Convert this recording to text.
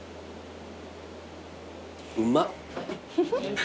うまっ。